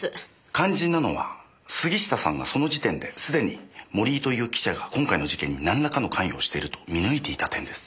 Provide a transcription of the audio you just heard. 肝心なのは杉下さんがその時点で既に森井という記者が今回の事件になんらかの関与をしていると見抜いていた点です。